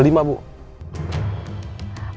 barangkali mas al kesana